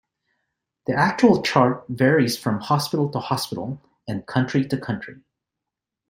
The actual chart varies from hospital to hospital and country to country.